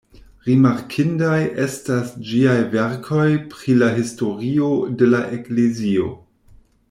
Rimarkindaj estas ĝiaj verkoj pri la historio de la Eklezio.